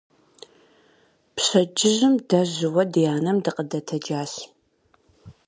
Пщэдджыжьым дэ жьыуэ ди анэм дыкъыдэтэджащ.